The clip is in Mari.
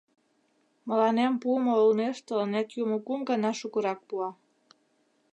Мыланем пуымо олмеш тыланет юмо кум гана шукырак пуа.